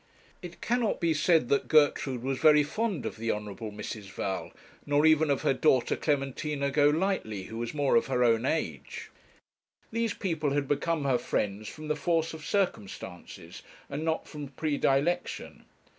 It cannot be said that Gertrude was very fond of the Honourable Mrs. Val, nor even of her daughter, Clementina Golightly, who was more of her own age. These people had become her friends from the force of circumstances, and not from predilection.